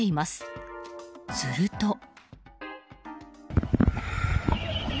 すると。